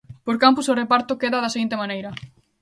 Por campus o reparto queda da seguinte maneira.